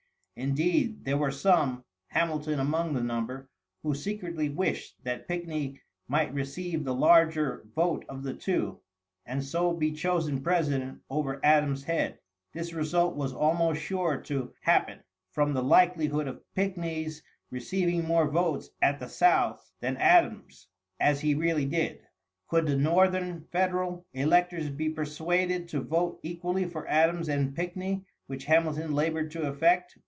Indeed, there were some, Hamilton among the number, who secretly wished that Pickney might receive the larger vote of the two, and so be chosen president over Adams' head. This result was almost sure to happen, from the likelihood of Pickney's receiving more votes at the South than Adams, as he really did, could the northern federal electors be persuaded to vote equally for Adams and Pickney, which Hamilton labored to effect.